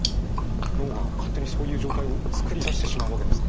脳が勝手にそういう状態を作り出してしまうわけですか？